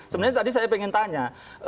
sebenarnya tadi saya ingin tanya